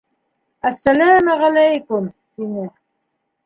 — Әссәләмәғәләйкүм, — тине.